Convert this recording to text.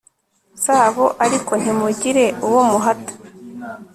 zabo ariko ntimugire uwo muhata